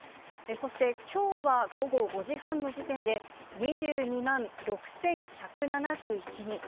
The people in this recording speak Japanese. そして、きょうは午後５時半の時点で、２２万６１７１人。